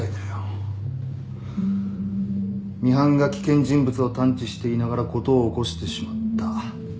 ミハンが危険人物を探知していながら事を起こしてしまった。